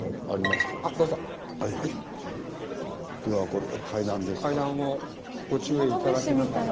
ではこれは階段ですか。